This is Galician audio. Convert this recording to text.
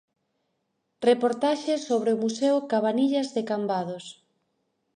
Reportaxe sobre o Museo Cabanillas de Cambados.